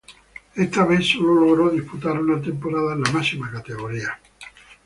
Esta vez sólo logró disputar una temporada en la máxima categoría.